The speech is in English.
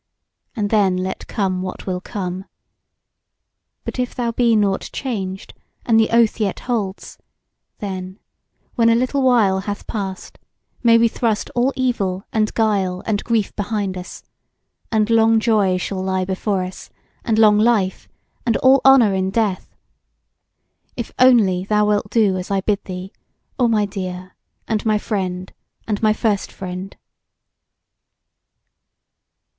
And then let come what will come! But if thou be nought changed, and the oath yet holds, then, when a little while hath passed, may we thrust all evil and guile and grief behind us, and long joy shall lie before us, and long life, and all honour in death: if only thou wilt do as I bid thee, O my dear, and my friend, and my first friend!"